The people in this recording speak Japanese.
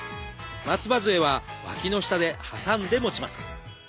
松葉づえはわきの下で挟んで持ちます。